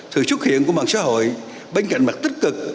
sự xuất hiện của mạng xã hội bên cạnh mặt tích cực